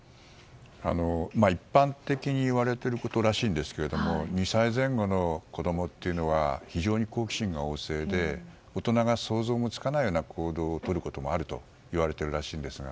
一般的に言われていることらしいんですけれども２歳前後の子供というのは非常に好奇心が旺盛で大人が想像もつかないような行動をとることがあるといわれているんです。